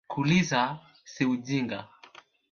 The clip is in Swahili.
Kuuliza si ujinga